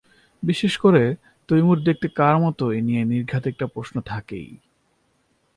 বিশেষ করে তৈমুর দেখতে কার মতো এ নিয়ে নির্ঘাত একটা প্রশ্ন থাকেই।